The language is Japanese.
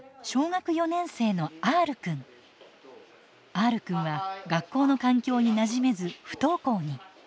Ｒくんは学校の環境になじめず不登校に。